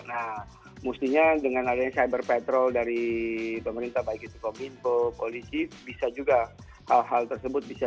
nah mestinya dengan adanya cyber patrol dari pemerintah baik itu kominfo polisi bisa juga hal hal tersebut bisa